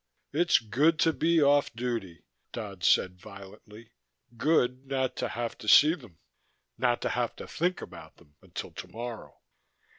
"It's good to be off duty," Dodd said violently. "Good. Not to have to see them not to have to think about them until tomorrow."